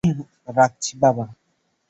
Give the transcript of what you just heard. রাখছি, বাবা।